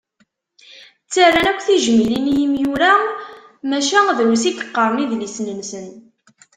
Ttarran akk tijmilin i imyura, maca drus i yeqqaren idlisen-nsen.